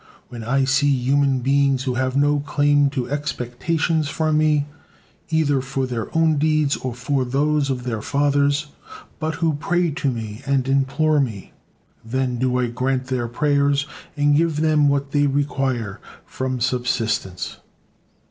When I see human beings who have no claim to expectations from Me either for their own deeds or for those of their fathers, but who pray to Me and implore Me, then do I grant their prayers and give them what they require from subsistence."